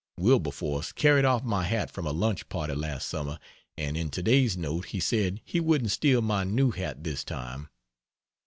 Wilberforce carried off my hat from a lunch party last summer, and in to day's note he said he wouldn't steal my new hat this time.